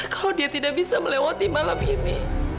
kalau dia tidak bisa melewati malam ini